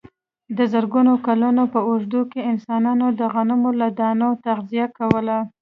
د زرګونو کلونو په اوږدو کې انسانانو د غنمو له دانو تغذیه کوله.